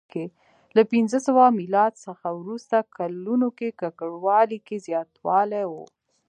له پنځه سوه میلاد څخه وروسته کلونو کې ککړوالي کې زیاتوالی و